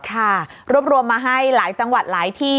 ค่ะรวบรวมมาให้หลายจังหวัดหลายที่